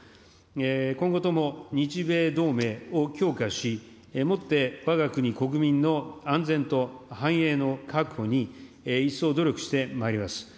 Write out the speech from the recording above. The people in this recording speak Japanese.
今後とも日米同盟を強化し、もって、わが国国民の安全と繁栄の確保に一層努力してまいります。